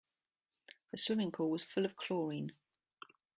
The swimming pool was full of chlorine.